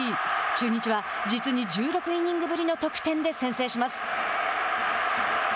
中日は実に１６イニングスぶりの得点で先制します。